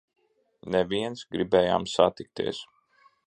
Neviens! Gribējām satikties!